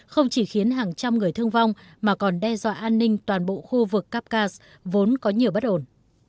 không chỉ khiến hàng trăm người thương vong mà còn đe dọa an ninh toàn bộ khu vực kapcas vốn có nhiều bất ổn